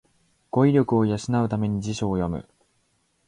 語彙力を養うために辞書を読む